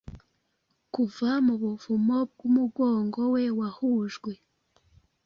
Kuva mu buvumo bw'umugongo we wahujwe,